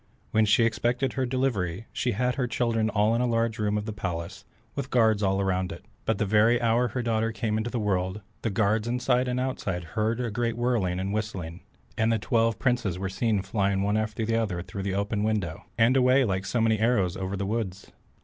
When she expected her delivery, she had her children all in a large room of the palace, with guards all round it, but the very hour her daughter came into the world, the guards inside and outside heard a great whirling and whistling, and the twelve princes were seen flying one after another out through the open window, and away like so many arrows over the woods.